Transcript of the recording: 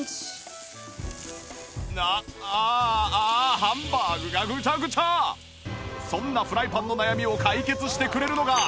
ああハンバーグがそんなフライパンの悩みを解決してくれるのが